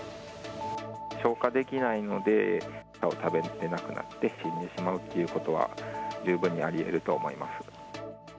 消化できないので、餌を食べられなくなって死んでしまうということは、十分にありえると思います。